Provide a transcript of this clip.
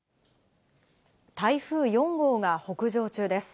台風４号が北上中です。